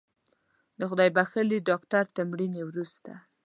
د خدای بښلي ډاکتر تر مړینې وروسته